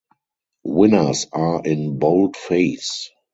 Winners are in boldface.